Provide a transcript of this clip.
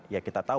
ya kita tahu